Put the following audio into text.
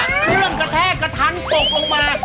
เรื่องกระแทกระทั้งตกออกมา